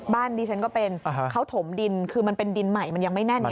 ดิฉันก็เป็นเขาถมดินคือมันเป็นดินใหม่มันยังไม่แน่นไง